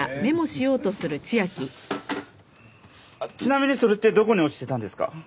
ちなみにそれってどこに落ちてたんですか？